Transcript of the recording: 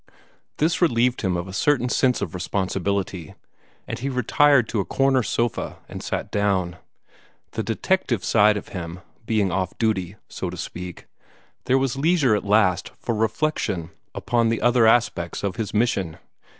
This relieved him of a certain sense of responsibility, and he retired to a corner sofa and sat down. The detective side of him being off duty, so to speak, there was leisure at last for reflection upon the other aspects of his mission.